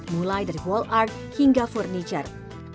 mulai dari wall art hingga furniture